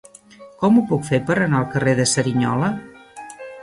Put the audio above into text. Com ho puc fer per anar al carrer de Cerignola?